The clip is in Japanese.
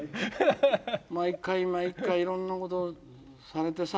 毎回毎回いろんなことをされてさ。